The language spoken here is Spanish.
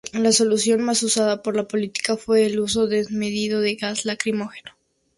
La solución más usada por la policía fue el uso desmedido de gas lacrimógeno.